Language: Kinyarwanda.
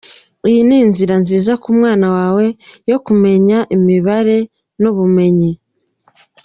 Iyi ni inzira nziza ku mwana wawe yo kumenya imibare nubumenyi.